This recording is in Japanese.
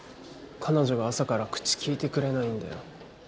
彼女が朝から口利いてくれないんだよ。